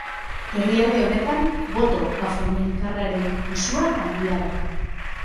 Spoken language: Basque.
Herrialde honetan, boto afroamerikarraren pisua handia da.